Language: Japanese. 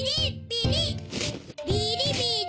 ビリビリ！